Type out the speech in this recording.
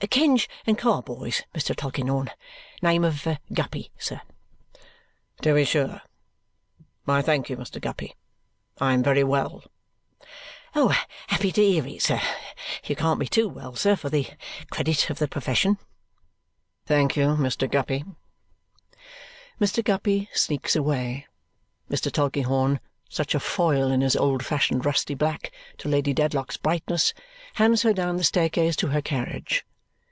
"Kenge and Carboy's, Mr. Tulkinghorn. Name of Guppy, sir." "To be sure. Why, thank you, Mr. Guppy, I am very well!" "Happy to hear it, sir. You can't be too well, sir, for the credit of the profession." "Thank you, Mr. Guppy!" Mr. Guppy sneaks away. Mr. Tulkinghorn, such a foil in his old fashioned rusty black to Lady Dedlock's brightness, hands her down the staircase to her carriage.